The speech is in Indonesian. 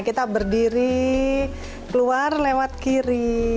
kita berdiri keluar lewat kiri